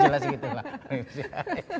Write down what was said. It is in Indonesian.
jelas gitu mbak